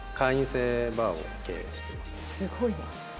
すごいな。